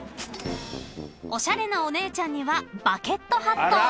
［おしゃれなお姉ちゃんにはバケットハット］